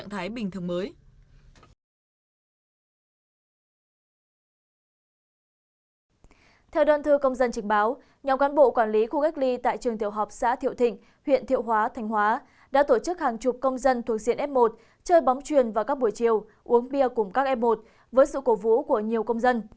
theo đơn thư công dân trình báo nhóm cán bộ quản lý khu cách ly tại trường tiểu học xã thiệu thịnh huyện thiệu hóa thành hóa đã tổ chức hàng chục công dân thuộc diện f một chơi bóng truyền vào các buổi chiều uống bia cùng các f một với sự cổ vũ của nhiều công dân